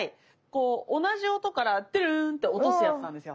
こう同じ音からトゥルンって落とすやつなんですよ。